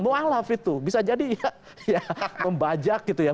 mualaf itu bisa jadi ya